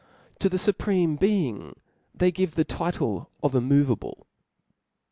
To the fupreme Being they give * the title of immoveable.